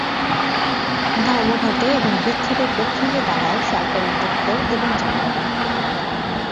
ধর্মঘটে এবং বিক্ষোভের লক্ষ্য হয়ে দাড়ায় সরকারী দপ্তর এবং যানবাহন।